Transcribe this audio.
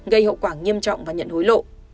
gây hậu quả nghiêm trọng và đưa hối lộ